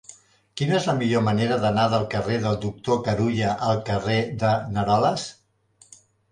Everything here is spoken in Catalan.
Quina és la millor manera d'anar del carrer del Doctor Carulla al carrer de n'Aroles?